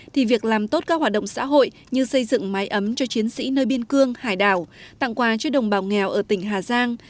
thì việc làm tốt các hoạt động xã hội như xây dựng máy ấm cho chiến sĩ nơi biên cương hải đảo tặng quà cho đồng bào nghèo ở tỉnh hà giang